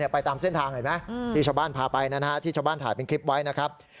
ไปตามเส้นทางเห็นไหมที่ชาวบ้านพาไปนะฮะที่ชาวบ้านถ่ายเป็นคลิปไว้นะครับ